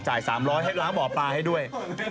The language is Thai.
๓๐๐ให้ล้างบ่อปลาให้ด้วย